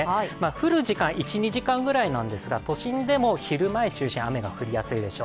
降る時間、１２時間ぐらいなんですが、都心でも昼間を中心に雨が降りやすいです。